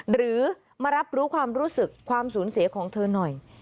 หรือมารับรู้ความรู้สึกความสูญเสียของเธอหน่อย